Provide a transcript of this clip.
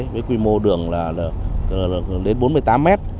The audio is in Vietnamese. với quy mô đường là đến bốn mươi tám mét